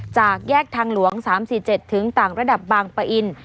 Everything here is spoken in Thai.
จากแยกทางหลวง๓๔๗ถึงต่างระดับบางปะอิน